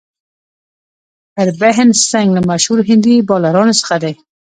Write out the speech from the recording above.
هربهن سنګ له مشهورو هندي بالرانو څخه دئ.